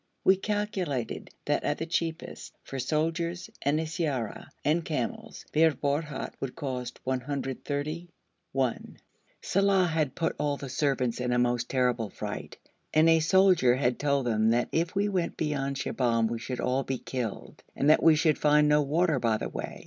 We calculated that at the cheapest, for soldiers and siyara and camels, Bir Borhut would cost 130_l._ Saleh had put all the servants in a most terrible fright, and a soldier had told them that if we went beyond Shibahm we should all be killed, and that we should find no water by the way.